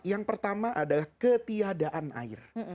yang pertama adalah ketiadaan air